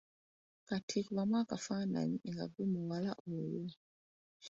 Kati kubamu akafaananyi nga ggwe muwala oyo.